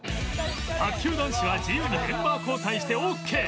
卓球男子は自由にメンバー交代してオーケー